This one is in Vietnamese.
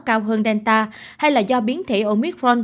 cao hơn delta hay là do biến thể omicron